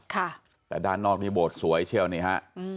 ค่ะแต่ด้านนอกนี้โบสถ์สวยเชี่ยวนี่ฮะ